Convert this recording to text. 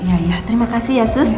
ya ya terima kasih ya sus